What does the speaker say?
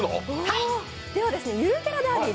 ゆるキャラダービー